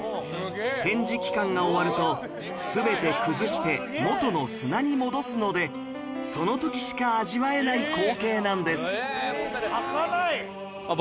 展示期間が終わると全て崩して元の砂に戻すのでその時しか味わえない光景なんです